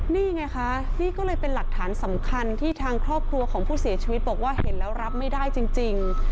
นี่ไงคะนี่ก็เลยเป็นหลักฐานสำคัญที่ทางครอบครัวของผู้เสียชีวิตบอกว่าเห็นแล้วรับไม่ได้จริง